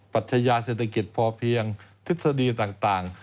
ปัชญาเศรษฐกิจพอเพียงทฤษฎีต่าง